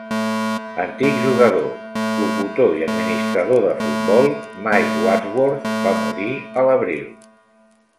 Antic jugador, locutor i administrador de futbol, Mike Wadsworth va morir a l'abril.